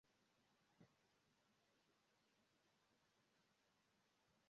Impostaj komponantoj.